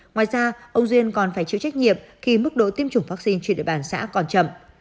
ngoài ra ông duyên còn phải chịu trách nhiệm khi mức độ tiêm chủng vaccine trên địa bàn xã còn chậm